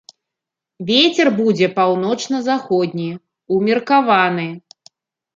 Вецер будзе паўночна-заходні ўмеркаваны.